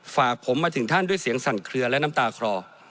ฝากผมมาถึงท่านด้วยเสียงสั่นเคลือและน้ำตาคลอ